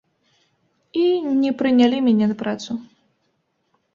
І не прынялі мяне на працу.